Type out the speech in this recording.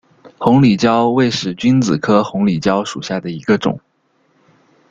红里蕉为使君子科红里蕉属下的一个种。